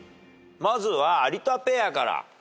まずは有田ペアから。